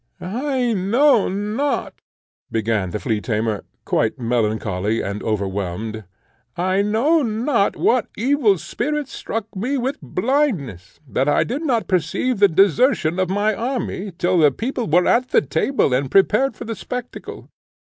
"I know not," began the flea tamer, quite melancholy and overwhelmed, "I know not what evil spirit struck me with blindness, that I did not perceive the desertion of my army till the people were at the table and prepared for the spectacle.